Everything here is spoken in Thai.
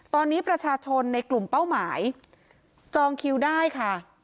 ตอนนี้ประชาชนในกลุ่มเป้าหมายจองคิวได้ค่ะ